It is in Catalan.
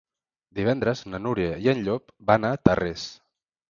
Divendres na Núria i en Llop van a Tarrés.